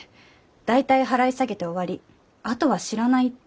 大体払い下げて終わりあとは知らないって。